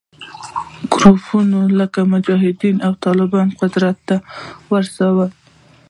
ګروپونه لکه مجاهدین او طالبان قدرت ته ورسوي